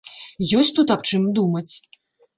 Ёсць тут аб чым думаць!